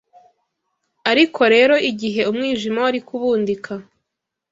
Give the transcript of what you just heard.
ariko rero igihe umwijima wari kubudika